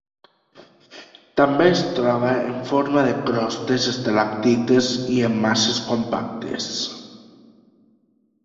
També es troba en forma de crostes, estalactites i en masses compactes.